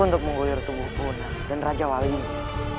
untuk menggulir tubuh punah dan raja wali ini